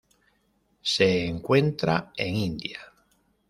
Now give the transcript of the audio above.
Se encuentra en India.